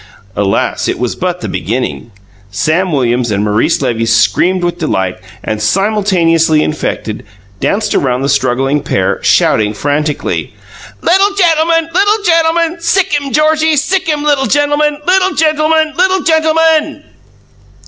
Alas, it was but the beginning! Sam Williams and Maurice Levy screamed with delight, and, simultaneously infected, danced about the struggling pair, shouting frantically: "Little gentleman! Little gentleman! Sick him, Georgie! Sick him, little gentleman! Little gentleman! Little gentleman!"